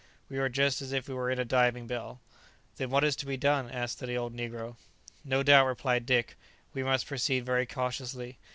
We are just as if we were in a diving bell." "Then what is to be done?" asked the old negro. "No doubt," replied Dick, "we must proceed very cautiously.